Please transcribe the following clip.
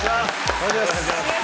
お願いします。